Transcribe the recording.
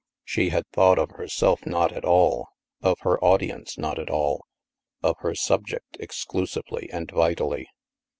She had thought of herself not at all, of her audi ence not at all, of her subject exclusively and vitally.